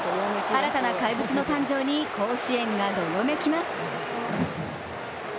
新たな怪物の誕生に甲子園がどよめきます。